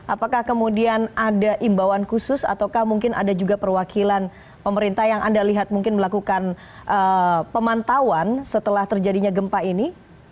apakah kemudian ada imbauan khusus ataukah mungkin ada juga perwakilan pemerintah yang anda lihat mungkin melakukan pemantauan setelah terjadinya gempa ini